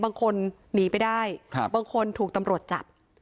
บางคนหนีไปได้บางคนถูกตำรวจจับ